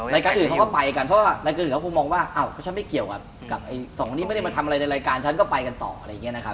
รายการอื่นเขาก็ไปกันเพราะว่ารายการอื่นก็คงมองว่าอ้าวก็ฉันไม่เกี่ยวกับสองคนนี้ไม่ได้มาทำอะไรในรายการฉันก็ไปกันต่ออะไรอย่างนี้นะครับ